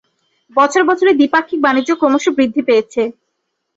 বছর বছর এ দ্বিপাক্ষিক বাণিজ্য ক্রমশ বৃদ্ধি পেয়েছে।